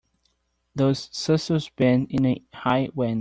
Those thistles bend in a high wind.